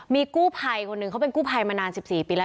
มีกู้ภัยคนหนึ่งเขาเป็นกู้ภัยมานาน๑๔ปีแล้ว